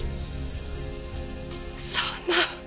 そんな。